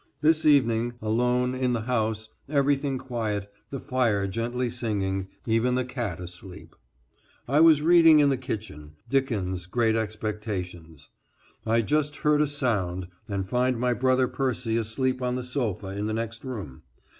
This evening, alone in the house, everything quiet, the fire gently singing, even the cat asleep. I was reading in the kitchen Dickens' "Great Expectations." I just heard a sound and find my brother Percy asleep on the sofa in the next room.